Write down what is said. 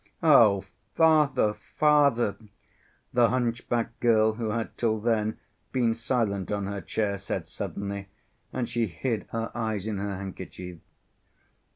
"Oh, father, father!" the hunchback girl, who had till then been silent on her chair, said suddenly, and she hid her eyes in her handkerchief.